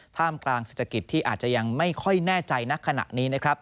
ท่ามกลางเศรษฐกิจที่อาจจะยังไม่ค่อยแน่ใจณขณะนี้นะครับ